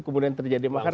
kemudian terjadi makar